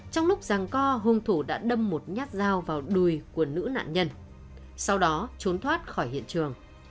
trong lúc rằng co hung thủ đã đâm một nhát dao vào đùi của nữ nạn nhân sau đó trốn thoát khỏi hiện trường